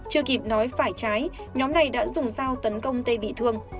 chưa kịp nói phải trái nhóm này đã dùng dao tấn công tê bị thương